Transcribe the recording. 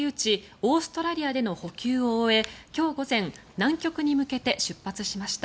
オーストラリアでの補給を終え今日午前、南極に向けて出発しました。